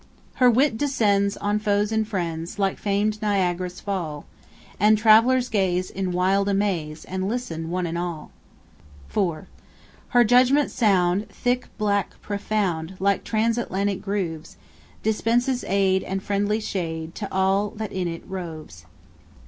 Her wit descends on foes and friends Like famed Niagara's Fall; And travellers gaze in wild amaze, And listen, one and all. 4. Her judgment sound, thick, black, profound, Like transatlantic groves, Dispenses aid, and friendly shade To all that in it roves.